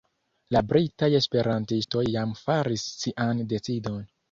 La britaj esperantistoj jam faris sian decidon.